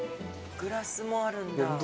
グラスもあるんだ。